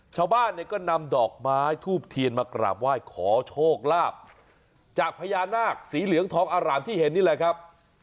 ชาวบ้านเนี่ยก็นำดอกไม้ทูบเทียนมากราบไหว้ขอโชคลาภจากพญานาคสีเหลืองทองอารามที่เห็นนี่แหละครับ